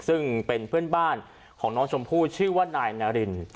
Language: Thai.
ซึ่งเป็นเพื่อนบ้านของน้องชมพู่ชื่อว่านายนาริน